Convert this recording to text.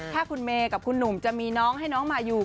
ถ้าคุณเมย์กับคุณหนุ่มจะมีน้องให้น้องมายู